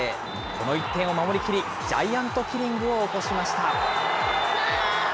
この１点を守りきり、ジャイアントキリングを起こしました。